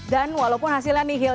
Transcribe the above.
dan walaupun hasilnya nihil